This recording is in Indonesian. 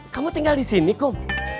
kamu tinggal di sini kum